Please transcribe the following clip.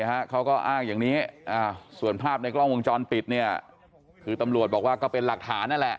เขาก็อ้างอย่างนี้ส่วนภาพในกล้องวงจรปิดเนี่ยคือตำรวจบอกว่าก็เป็นหลักฐานนั่นแหละ